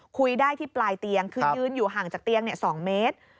คุยได้ที่ปลายเตียงคือยืนอยู่ห่างจากเตียง๒เมตร